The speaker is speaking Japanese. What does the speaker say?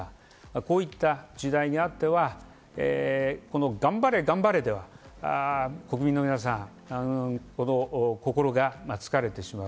こうした時代にあっては、頑張れ頑張れでは国民の皆さん、心が疲れてしまう。